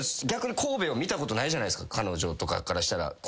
逆に神戸を見たことないじゃないですか彼女からしたら。